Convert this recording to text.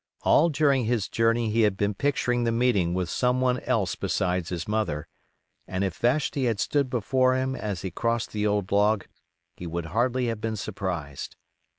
All during his journey he had been picturing the meeting with some one else besides his mother, and if Vashti had stood before him as he crossed the old log he would hardly have been surprised.